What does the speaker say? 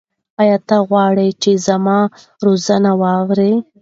ایا ته غواړې چې زما رازونه واورې؟